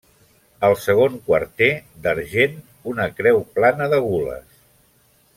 Al segon quarter, d'argent, una creu plana de gules.